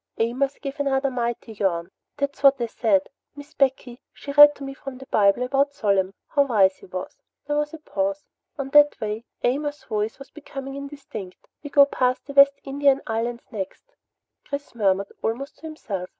Amos gave another mighty yawn. "That's what I said. Miss Becky, she read to me from the Bible about Solemn, how wise he was." There was a pause. "On that way " Amos's voice was becoming indistinct. "We go past the West Indian Islands next," Chris murmured, almost to himself.